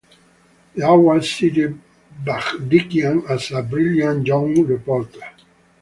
The award cited Bagdikian as a "brilliant young reporter".